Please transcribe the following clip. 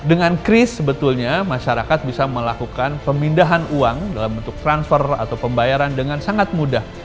dengan kris sebetulnya masyarakat bisa melakukan pemindahan uang dalam bentuk transfer atau pembayaran dengan sangat mudah